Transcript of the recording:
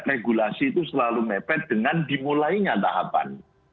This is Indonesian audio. regulasi itu selalu mepet dengan dimulainya tahapan